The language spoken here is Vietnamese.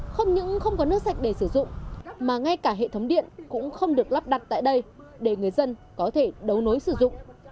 không những không có nước sạch để sử dụng mà ngay cả hệ thống điện cũng không được lắp đặt tại đây để người dân có thể đấu nối sử dụng